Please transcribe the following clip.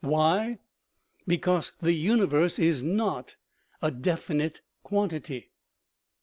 Why? Because the universe is not a definite quantity.